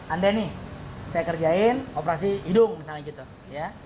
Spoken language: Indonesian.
anda nih saya kerjain operasi hidung misalnya gitu ya